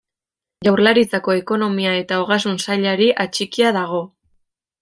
Jaurlaritzako Ekonomia eta Ogasun Sailari atxikia dago.